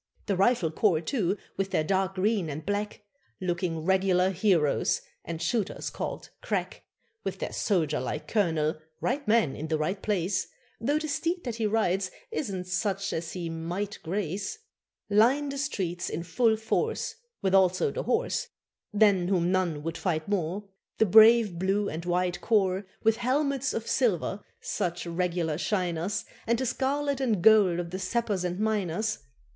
The Rifle Corps, too, with their dark green and black, Looking regular heroes, and shooters called "crack," With their soldier like colonel right man in the right place, Though the steed that he rides isn't such as he might grace Line the streets in full force, With also the horse, Than whom none would fight more The brave blue and white corps, With helmets of silver such regular shiners And the scarlet and gold of the sappers and miners.